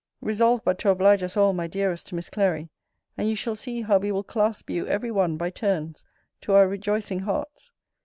Resolves but to oblige us all, my dearest Miss Clary, and you shall see how we will clasp you every one by turns to our rejoicing hearts.